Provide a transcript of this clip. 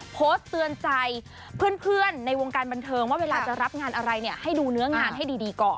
โพสต์เตือนใจเพื่อนในวงการบันเทิงว่าเวลาจะรับงานอะไรเนี่ยให้ดูเนื้องานให้ดีก่อน